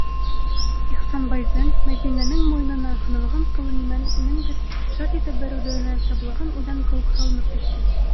- Ихсанбайҙың Мәҙинәнең муйынына һонолған ҡулы нимәнеңдер шарт итеп бәрелеүенән сабылған үлән кеүек һалынып төштө.